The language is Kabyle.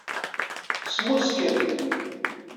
Smusken.